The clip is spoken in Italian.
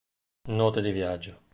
Note di viaggio.